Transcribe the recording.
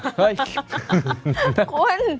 เฮ้ยคุณ